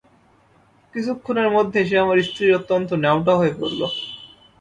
কিছুক্ষণের মধ্যেই সে আমার স্ত্রীর অত্যন্ত ন্যাওটা হয়ে পড়ল।